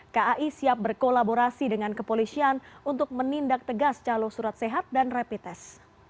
kai siap berkolaborasi dengan kepolisian untuk menindak tegas calo surat sehat dan rapid test